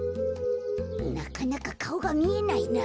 なかなかかおがみえないな。